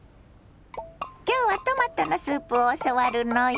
今日はトマトのスープを教わるのよ。